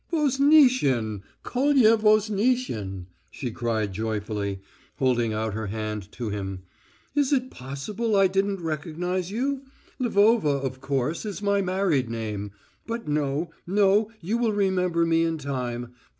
"Voznitsin, Kolya Voznitsin," she cried joyfully, holding out her hand to him. "Is it possible I didn't recognise you? Lvova, of course, is my married name.... But no, no, you will remember me in time....